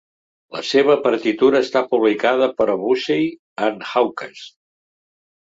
La seva partitura està publicada per Boosey and Hawkes.